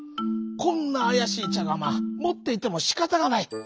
こんなあやしいちゃがまもっていてもしかたがない。